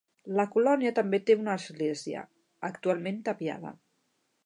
La colònia també té una església, actualment tapiada.